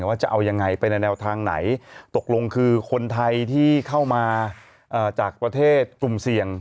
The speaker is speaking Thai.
ว่าจะเอายังไงไปในแนวทางไหนตกลงคือคนไทยที่เข้ามาจากประเทศกลุ่มเสี่ยง